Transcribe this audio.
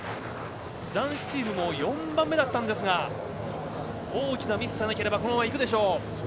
男子チームも４番目だったんですが大きなミスさえなければこのままいくでしょう。